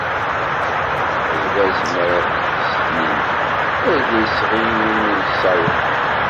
Lbaz mi ara t-teqqes tninna ala isɣi iwumi yessaweḍ.